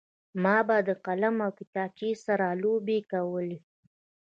ما به د قلم او کتابچې سره لوبې کولې